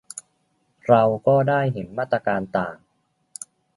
เราก็ได้เห็นมาตรการต่าง